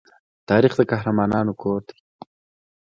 تاریخ د قهرمانانو کور دی.